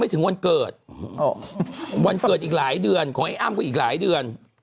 ไม่ถึงวันเกิดวันเกิดอีกหลายเดือนออัมอีกหลายเดือน